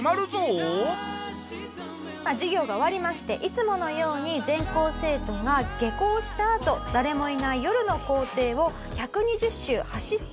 授業が終わりましていつものように全校生徒が下校したあと誰もいない夜の校庭を１２０周走っていたユゲタさん。